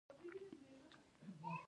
بدخشان د افغانستان د بشري فرهنګ برخه ده.